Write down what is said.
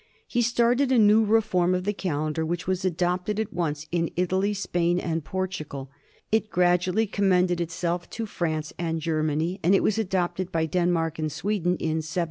He started a new reform of the calendar, which was adopted at once in Italy, Spain, and Portugal. It gradually commended itself to France and Germany, and it was adopted by Denmark and Sweden in 1700.